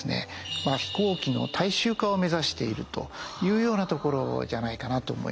飛行機の大衆化を目指しているというようなところじゃないかなと思いますね。